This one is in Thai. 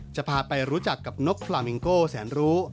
จะพาไปรู้จักกับนกพลาเมงโก้แสนรู้